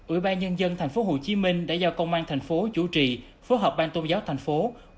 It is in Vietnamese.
ủy ban nhân dân tp hcm đã giao công an tp hcm chủ trì phối hợp ban tôn giáo tp hcm